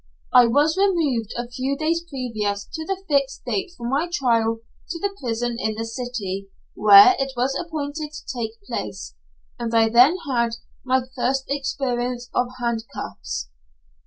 I was removed a few days previous to the date fixed for my trial to the prison in the city where it was appointed to take place, and I then had my first experience of handcuffs.